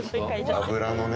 脂のね